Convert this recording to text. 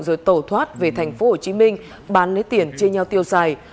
rồi tẩu thoát về tp hcm bán lấy tiền chia nhau tiêu xài